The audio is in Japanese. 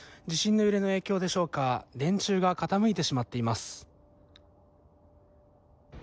地震の揺れの影響でしょうか、電柱が傾いてしまっています。